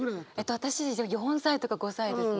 私４歳とか５歳ですね。